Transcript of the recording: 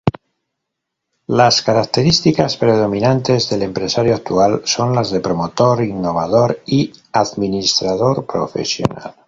Las características predominantes del empresario actual son las de promotor, innovador y administrador profesional.